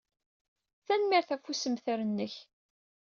Tanemmirt ɣef ussemter-nnek.